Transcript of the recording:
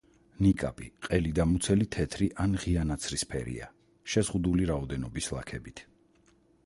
ნიკაპი, ყელი და მუცელი თეთრი ან ღია ნაცრისფერია, შეზღუდული რაოდენობის ლაქებით.